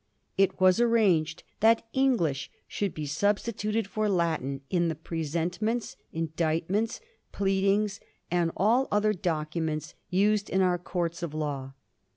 It was arranged that English should be substituted for Latin in the presentments, indict ments, pleadings, and all other documents used in our courts of law.